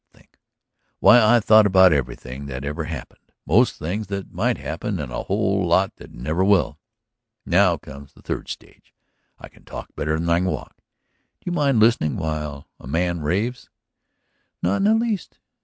Think? Why, I thought about everything that ever happened, most things that might happen, and a whole lot that never will. Now comes the third stage; I can talk better than I can walk. ... Do you mind listening while a man raves?" "Not in the least."